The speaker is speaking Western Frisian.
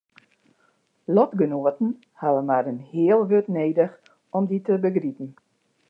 Lotgenoaten hawwe mar in heal wurd nedich om dy te begripen.